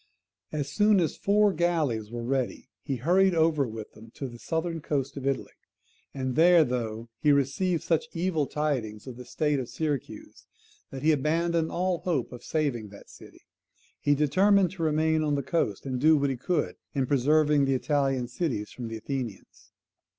As soon as four galleys were ready, he hurried over with them to the southern coast of Italy; and there, though he received such evil tidings of the state of Syracuse that he abandoned all hope of saving that city, he determined to remain on the coast, and do what he could in preserving the Italian cities from the Athenians.